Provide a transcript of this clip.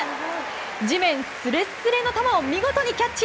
地面すれすれの球を見事にキャッチ！